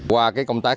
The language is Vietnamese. qua công tác